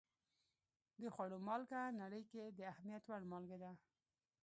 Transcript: د خوړو مالګه نړۍ کې د اهمیت وړ مالګه ده.